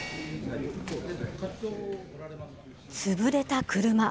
潰れた車。